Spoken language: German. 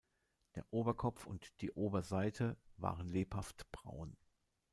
Der Oberkopf und die Oberseite waren lebhaft braun.